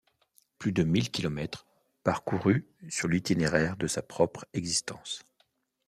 Plus de mille kilomètres parcourus sur l'itinéraire de sa propre existence.